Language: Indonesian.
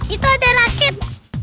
itu ada rakit